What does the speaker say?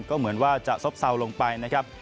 ก็เหมือนว่าจะซบเซาลงไปนะครับ